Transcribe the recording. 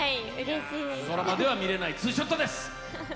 ドラマでは見れないツーショットです。